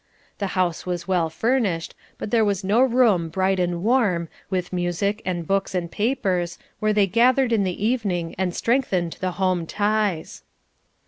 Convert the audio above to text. The house was well furnished, but there was no room bright and warm, with music and books and papers, where they gathered in the evening and strengthened the home ties.